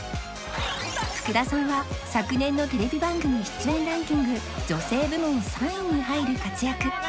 福田さんは昨年の ＴＶ 番組出演ランキング女性部門３位に入る活躍